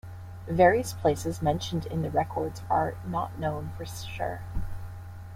"Various places" mentioned in the records are not known for sure.